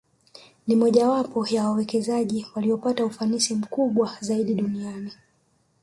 Ni mmojawapo wa wawekezaji waliopata ufanisi mkubwa zaidi duniani